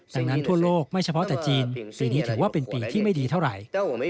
ดังนั้นทั่วโลกไม่เฉพาะแต่จีนปีนี้ถือว่าเป็นปีที่ไม่ดีเท่าไหร่